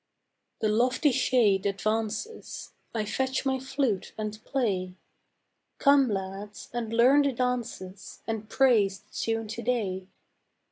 The lofty shade advances, I fetch my flute and play: Come, lads, and learn the dances And praise the tune to day.